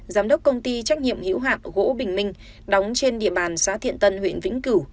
giám đốc công ty trách nhiệm hữu hạng gỗ bình minh đóng trên địa bàn xã thiện tân huyện vĩnh cửu